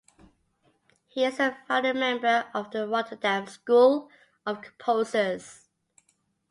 He is a founding member of the Rotterdam School of composers.